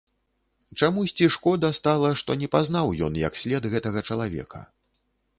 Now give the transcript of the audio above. Чамусьці шкода стала, што не пазнаў ён як след гэтага чалавека.